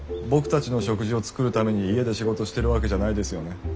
僕たちの食事を作るために家で仕事してるわけじゃないですよね？